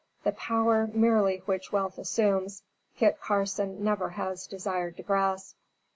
The power merely which wealth assumes, Kit Carson never has desired to grasp.